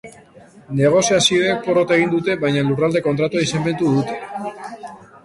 Negoziazioek porrot egin dute, baina Lurralde Kontratua izenpetu dute.